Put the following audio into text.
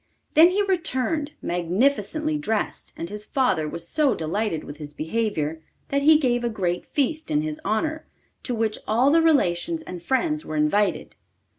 Then he returned, magnificently dressed, and his father was so delighted with his behaviour, that he gave a great feast in his honour, to which all the relations and friends were invited.